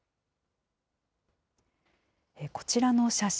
こちらの写真。